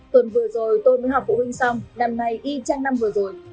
tuần vừa rồi tôi mới học phụ huynh xong năm nay y trang năm vừa rồi